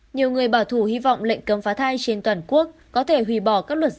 nhiều người bảo thủ hy vọng lệnh cấm phá thai trên toàn quốc